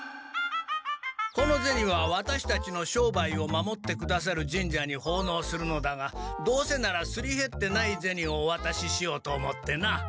この銭はワタシたちの商売を守ってくださる神社にほうのうするのだがどうせならすりへってない銭をおわたししようと思ってな。